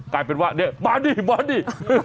กลายเป็นว่ามาดี